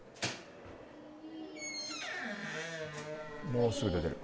もうすぐで出る。